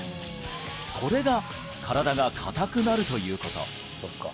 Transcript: これが身体が硬くなるということ